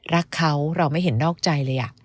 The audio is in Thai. รักเขาเราไม่เห็นนอกใจเลย